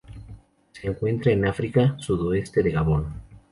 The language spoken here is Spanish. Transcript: Se encuentran en África: sudoeste de Gabón.